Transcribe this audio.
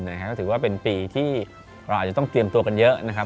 ก็ถือว่าเป็นปีที่เราอาจจะต้องเตรียมตัวกันเยอะนะครับ